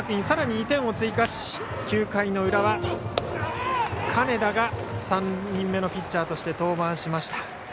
さらに２点を追加して９回の裏は金田が３人目のピッチャーとして登板しました。